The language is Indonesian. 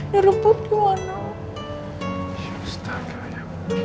di rumput di mana